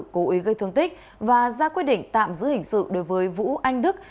cố ý gây thương tích và ra quyết định tạm giữ hình sự đối với vũ anh đức